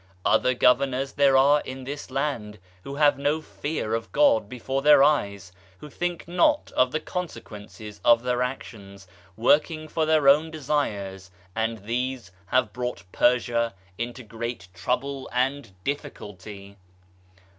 Other Governors there are in this land who have no fear of God before their eyes, who think not of the consequences of their actions, working for their own desires, and these have brought Persia into great trouble and difficulty.